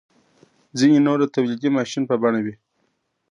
ځینې نور د تولیدي ماشین په بڼه وي.